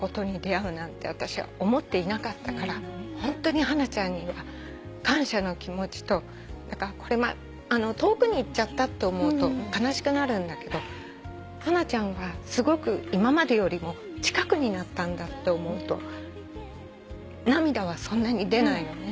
私は思っていなかったからホントにハナちゃんには感謝の気持ちと遠くにいっちゃったって思うと悲しくなるんだけどハナちゃんはすごく今までよりも近くになったんだって思うと涙はそんなに出ないのね。